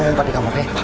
kamu lompat di kamarnya